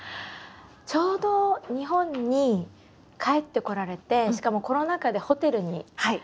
ちょうど日本に帰ってこられてしかもコロナ禍でホテルに。